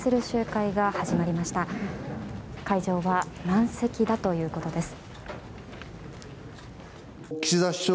会場は満席だということです。